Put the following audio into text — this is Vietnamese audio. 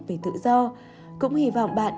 về tự do cũng hy vọng bạn